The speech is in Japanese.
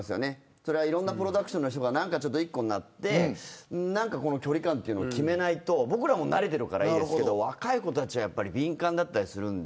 それは、いろんなプロダクションの人が一個になって距離感を決めないと僕らは、もう慣れてるからいいですけど若い子たちは敏感だったりするんで。